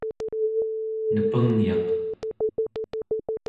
nepengyaq